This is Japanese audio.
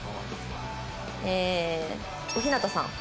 ええー小日向さん